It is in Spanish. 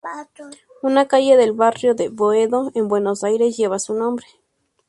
Una calle del barrio de Boedo en Buenos Aires lleva su nombre.